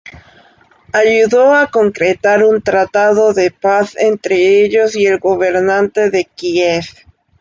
Ayudó a concretar un tratado de paz entre ellos y el gobernante de Kiev.